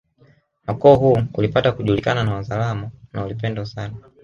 Na ukoo huu ulipata kujulikana na Wazaramo na ulipendwa sana